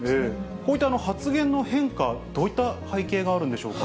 こういった発言の変化、どういった背景があるんでしょうか。